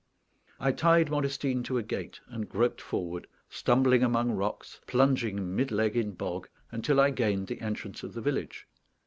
I tied Modestine to a gate, and groped forward, stumbling among rocks, plunging mid leg in bog, until I gained the entrance of the village.